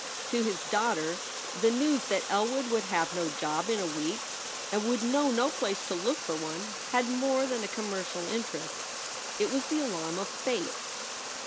To his daughter the news that Elwood would have no job in a week and would know no place to look for one had more than a commercial interest. It was the alarum of fate.